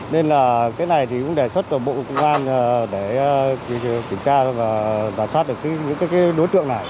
nên là cái này thì cũng đề xuất của bộ công an để kiểm tra và giả soát được những đối tượng này